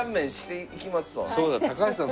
そうだ高橋さん